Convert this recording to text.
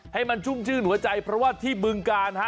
ให้มันชุ่มชื่นหัวใจเพราะว่าที่บึงกาลฮะ